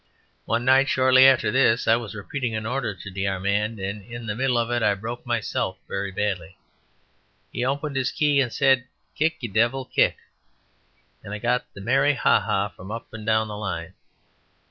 One night, shortly after this, I was repeating an order to De Armand, and in the middle of it I broke myself very badly. He opened his key, and said, "Kick, you devil, kick!" And I got the merry ha ha from up and down the line.